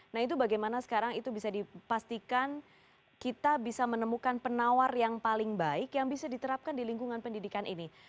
nah itu bagaimana sekarang itu bisa dipastikan kita bisa menemukan penawar yang paling baik yang bisa diterapkan di lingkungan pendidikan ini